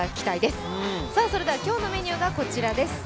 それでは今日のメニューがこちらです。